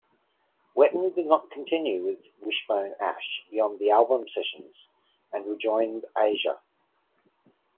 Wetton did not continue with Wishbone Ash beyond the album sessions and rejoined Asia.